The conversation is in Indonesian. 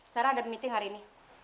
sarah ada meeting hari ini